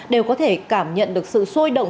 đều có thể cảm nhận được sự sôi động